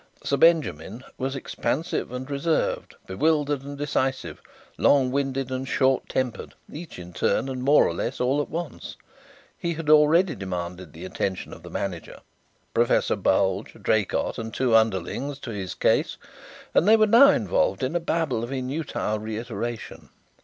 Sir Benjamin was expansive and reserved, bewildered and decisive, long winded and short tempered, each in turn and more or less all at once. He had already demanded the attention of the manager, Professor Bulge, Draycott and two underlings to his case and they were now involved in a babel of inutile reiteration.